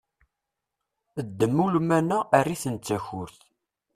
Ddem ulman-a err-iten d takurt!